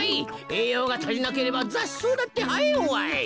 えいようがたりなければざっそうだってはえんわい。